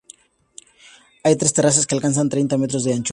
Hay tres terrazas que alcanzan treinta metros de anchura.